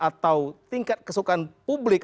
atau tingkat kesukaan publik